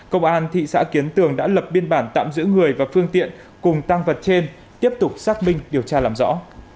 công an thị xã kiến tường đã lập biên bản tạm giữ người và phương tiện cùng tăng vật trên tiếp tục xác minh điều tra làm rõ